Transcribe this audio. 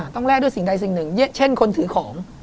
แลกด้วยสิ่งใดสิ่งหนึ่งเช่นคนถือของ